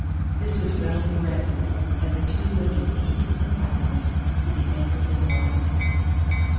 This was readily granted, and the two lived in peace and happiness to the end of their lives.